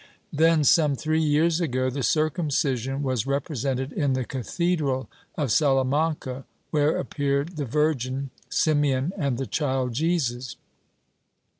Then, some three years ago, the Circumcision was represented in the cathedral of Salamanca, where appeared the Virgin, Simeon and the child Jesus.